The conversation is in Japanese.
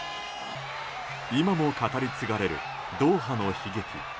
今も語り継がれるドーハの悲劇。